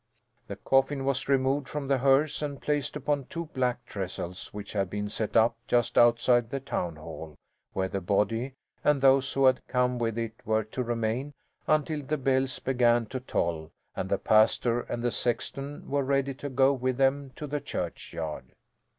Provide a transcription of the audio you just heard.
The coffin was removed from the hearse and placed upon two black trestles which had been set up just outside the town hall, where the body and those who had come with it were to remain until the bells began to toll and the pastor and the sexton were ready to go with them to the churchyard.